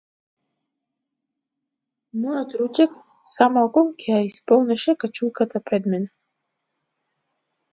Мојот ручек, за малку ќе ја исполнеше качулката пред мене.